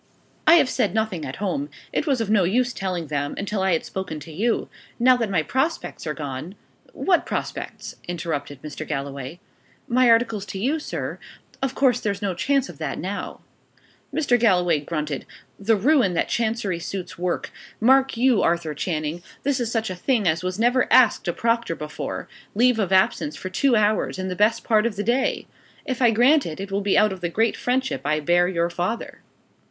"I have said nothing at home. It was of no use telling them, until I had spoken to you. Now that my prospects are gone " "What prospects?" interrupted Mr. Galloway. "My articles to you, sir. Of course there's no chance of that now." Mr. Galloway grunted. "The ruin that Chancery suits work! Mark you, Arthur Channing, this is such a thing as was never asked a proctor before leave of absence for two hours in the best part of the day! If I grant it, it will be out of the great friendship I bear your father."